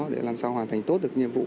để làm sao hoàn thành tốt được nhiệm vụ